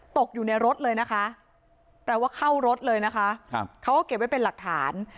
ตกอยู่ในรถเลยนะคะแปลว่าเข้ารถเลยนะคะเขาก็เก็บไว้เป็นหลักฐาน